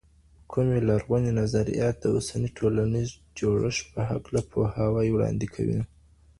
کومې لرغونې نظریات د اوسني ټولنیز جوړښت په هکله پوهاوی وړاندې کوي؟